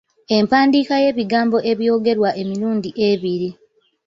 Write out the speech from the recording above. Empandiika y'ebigambo ebyogerwa emirundi ebiri.